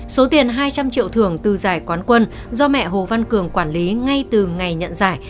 số tiền hai trăm linh triệu thưởng từ giải quán quân do mẹ hồ văn cường quản lý ngay từ ngày nhận giải